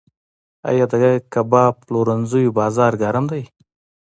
آیا د کباب پلورنځیو بازار ګرم دی؟